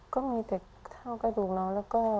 ก็มีแต่เท้ากระดูกน้อง